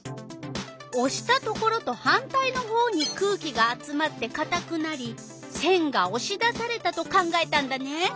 おしたところと反対のほうに空気が集まってかたくなりせんがおし出されたと考えたんだね。